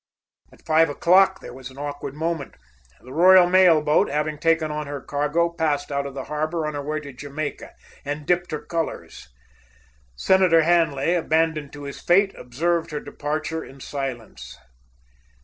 At five o'clock there was an awkward moment. The Royal Mail boat, having taken on her cargo, passed out of the harbor on her way to Jamaica, and dipped her colors. Senator Hanley, abandoned to his fate, observed her departure in silence.